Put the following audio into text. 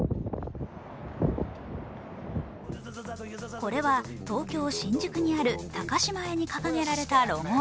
これは東京・新宿にある高島屋に掲げられたロゴ。